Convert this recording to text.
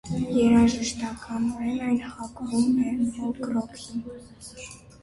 Երաժշտականորեն այն հակվում է ֆոլկ ռոքին։